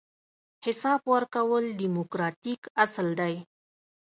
حساب ورکول دیموکراتیک اصل دی.